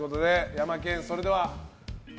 ヤマケン、それでは。